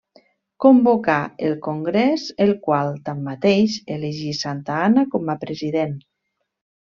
Convocà el Congrés el qual, tanmateix, elegí Santa Anna com a president.